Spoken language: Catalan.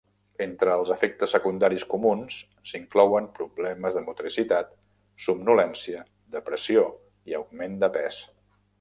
Entre els efectes secundaris comuns s'inclouen problemes de motricitat, somnolència, depressió i augment de pes.